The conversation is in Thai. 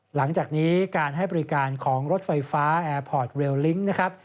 หลังจากนี้การให้บริการของรถไฟฟ้าแอร์พอร์ตเรลลิงก์นะครับ